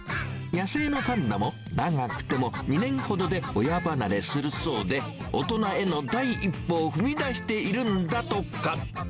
野生のパンダも長くても２年ほどで親離れするそうで、大人への第一歩を踏み出しているんだとか。